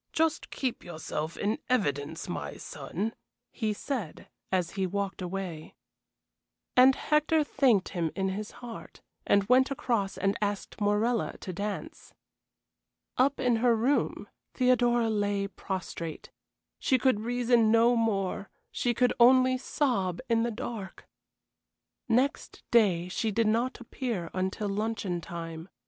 Just keep yourself in evidence, my son," he said, as he walked away. And Hector thanked him in his heart, and went across and asked Morella to dance. Up in her room Theodora lay prostrate. She could reason no more she could only sob in the dark. Next day she did not appear until luncheon time.